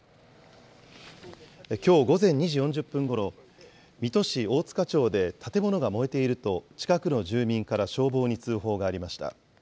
きょう午前２時４０分ごろ、水戸市大塚町で建物が燃えていると、近くの住民から消防に通報がありました。